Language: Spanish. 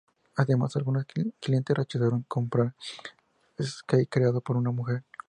Además, algunos clientes rechazaron comprar sake creado por una mujer.